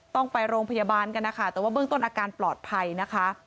ต้องไปโรงพยาบาลกันนะคะแต่ว่าเบื้องต้นอาการปลอดภัยนะคะ